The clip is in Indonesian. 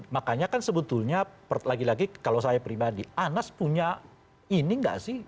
makanya kan sebetulnya lagi lagi kalau saya pribadi anas punya ini nggak sih